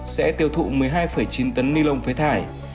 sẽ tiêu thụ một mươi hai chín tấn ni lông phế thải